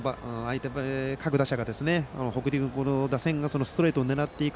各打者、北陸打線がストレートを狙っていく。